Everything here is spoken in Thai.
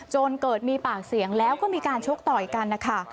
จนเกิดมีปากเสียงแล้วก็มีการชกต่อยกันนะคะ